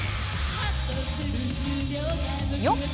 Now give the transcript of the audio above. よっ！